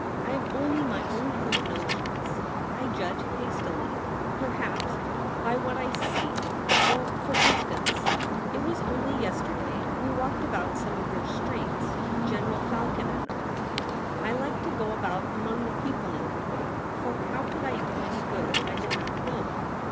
I have only my own crude notions. I judge hastily, perhaps, by what I see. Well, for instance, it was only yesterday we walked about some of your streets — General Falcon and I — I like to go about MARY BEATON. 83 among the people in that way ; for how could I do any good if I did not know